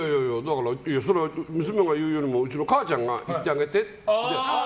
そりゃ娘が言うようにうちの母ちゃんが行ってあげてって。